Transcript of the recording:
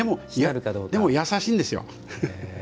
でも、優しいんですよ。